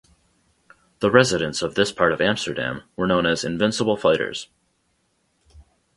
The residents of this part of Amsterdam were known as invincible fighters.